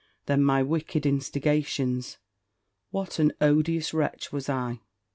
Then my wicked instigations. What an odious wretch was I!